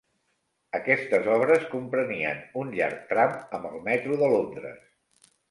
Aquestes obres comprenien un llarg tram amb el metro de Londres.